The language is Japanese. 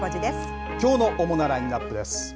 きょうの主なラインナップです。